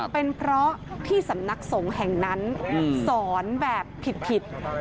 เป็นเพราะที่สำนักสงฆ์แห่งนั้นสอนแบบผิด